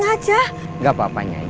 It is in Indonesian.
gak apa apa nyai